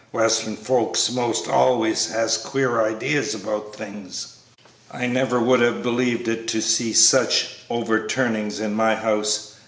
Western folks 'most always has queer ideas about things." "I never would have believed it to see such overturnings in my house!"